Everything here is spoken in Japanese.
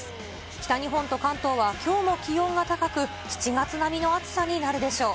北日本と関東はきょうも気温が高く、７月並みの暑さになるでしょう。